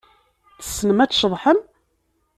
Tessnem ad tceḍḥem?